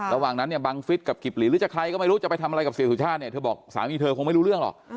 ระหว่างนั้นบังฤทธิ์กับกิปหลีหรือรู้จักใครก็ไม่รู้